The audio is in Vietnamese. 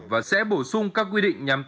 và sẽ bổ sung các quy định nhắm tăng